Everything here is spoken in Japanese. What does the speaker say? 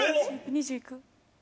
２０いく？